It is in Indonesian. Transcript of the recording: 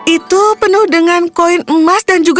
itu penuh dengan koin emas dan juga